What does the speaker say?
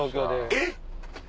えっ！